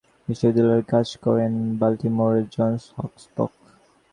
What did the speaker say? তিনি বাল্টিমোরের Johns Hopkins বিশ্ববিদ্যালয়ে কাজ করেন।